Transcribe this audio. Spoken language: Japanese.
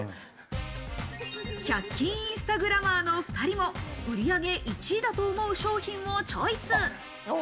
１００均インスタグラマーの２人も売り上げ１位だと思う商品をチョイス。